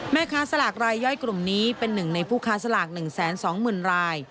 แม่ค้าสลากรายย่อยกลุ่มนี้เป็นหนึ่งในผู้ค้าสลาก๑๒๐๐๐ราย